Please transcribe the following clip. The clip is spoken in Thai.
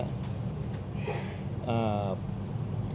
หมอบรรยาหมอบรรยาหมอบรรยา